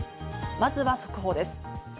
まずは速報です。